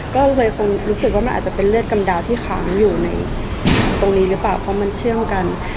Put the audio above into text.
ก็เลยคงรู้สึกว่ามันอาจจะเป็นเลือดกำดาวที่ค้างอยู่ในตรงนี้หรือเปล่าเพราะมันเชื่อมกัน